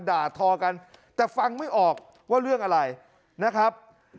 ด่าทอกันแต่ฟังไม่ออกว่าเรื่องอะไรนะครับ